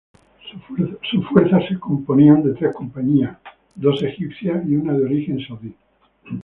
Sus fuerzas se componían de tres compañías: dos egipcias y una de origen saudí.